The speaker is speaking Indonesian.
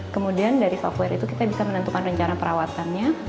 kemudian dari software itu kita bisa menentukan rencana perawatannya